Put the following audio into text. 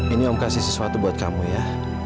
ini om kasih sesuatu buat kamu ya